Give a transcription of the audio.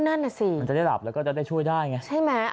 มันจะได้หลับและจะได้ช่วยได้ไง